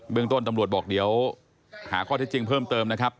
เรื่องต้นตำรวจบอกเดี๋ยวหาข้อเท็จจริงเพิ่มเติมนะครับ